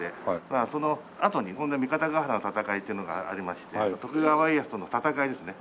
そのあとに三方ヶ原の戦いっていうのがありまして徳川家康との戦いですね。